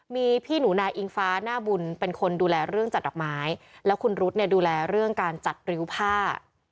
มีพี่หนูนายอิงฟ้าหน้าบุญเป็นคนดูแลเรื่องจัดดอกไม้แล้วคุณรุ๊ดเนี่ยดูแลเรื่องการจัดริ้วผ้า